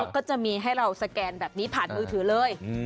ก็จะมีให้เราสแกนแบบนี้ผ่านมือถือเลย